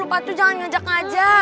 lupa tuh jangan ngajak ngajak